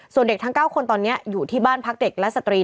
ส่วนเด็กทั้ง๙คนตอนนี้อยู่ที่บ้านพักเด็กและสตรี